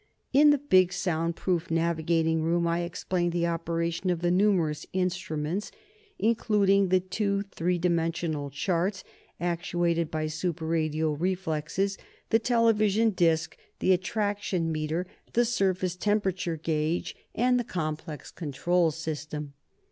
In the big, sound proof navigating room, I explained the operation of the numerous instruments, including the two three dimensional charts, actuated by super radio reflexes, the television disc, the attraction meter, the surface temperature gauge and the complex control system.